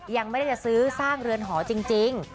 ยังไม่ได้จะซื้อสร้างเรือนหอจริง